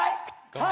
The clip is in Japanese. はい。